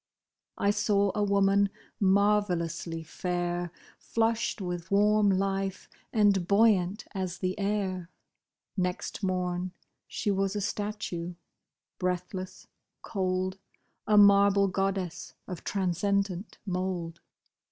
I saw a woman, marvellously fair. Flushed with warm life, and buoyant as the air ; Next morn she was a statue, breathless, cold, A marble goddess of transcendent mould.